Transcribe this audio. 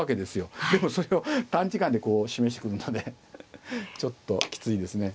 でもそれを短時間でこう示してくるのでちょっときついですね。